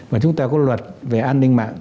và chúng ta có luật về an ninh mạng